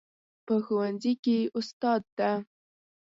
په ښوونځي کې استاد ده